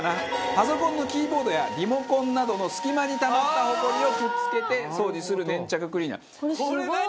パソコンのキーボードやリモコンなどの隙間にたまったホコリをくっつけて掃除する粘着クリーナー。